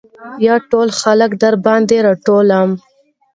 يا ټول خلک درباندې راټولم .